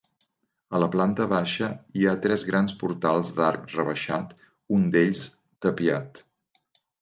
A la planta baixa hi ha tres grans portals d'arc rebaixat, un d'ells tapiat.